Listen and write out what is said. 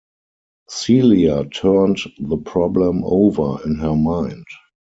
Celia turned the problem over in her mind.